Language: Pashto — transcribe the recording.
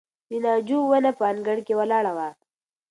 د ناجو ونه په انګړ کې ولاړه وه.